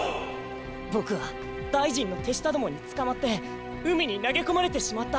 ボクは大臣のてしたどもにつかまってうみになげこまれてしまった。